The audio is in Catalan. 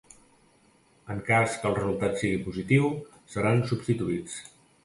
En cas que el resultat sigui positiu, seran substituïts.